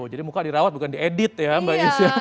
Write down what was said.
tuh jadi muka dirawat bukan diedit ya mbak is ya